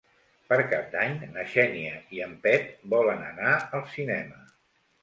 Per Cap d'Any na Xènia i en Pep volen anar al cinema.